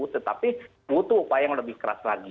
tetapi butuh upaya yang lebih keras lagi